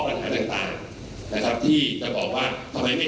คำชื่นชมอาจจะเปลี่ยนเป็นคำกำหนึ่ง